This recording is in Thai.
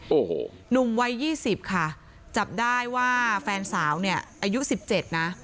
โอ้โหหนุ่มวัย๒๐ค่ะจับได้ว่าแฟนสาวเนี่ยอายุ๑๗นะ